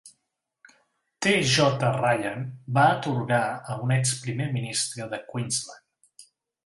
T. J. Ryan va atorgar a un ex-primer ministre de Queensland.